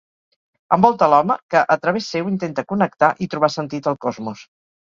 Envolta l’home que, a través seu, intenta connectar i trobar sentit al cosmos.